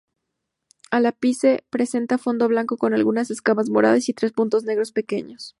El ápice presenta fondo blanco con algunas escamas moradas y tres puntos negros pequeños.